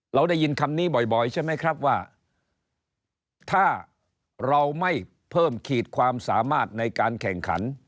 ได้ยินคำนี้บ่อยใช่ไหมครับว่าถ้าเราไม่เพิ่มขีดความสามารถในการแข่งขัน